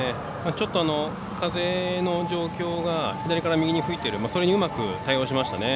ちょっと風の状況が左から右に吹いているそれにうまく対応しましたね。